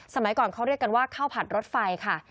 สมัยก่อนเขาเรียกกันว่าข้าวผัดรถไฟค่ะ